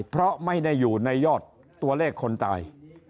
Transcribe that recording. เพราะไม่ได้อยู่ในยอดตัวเลขคนตาย